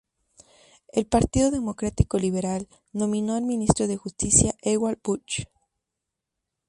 El Partido Democrático Liberal nominó al ministro de Justicia Ewald Bucher.